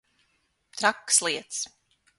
Trakas lietas.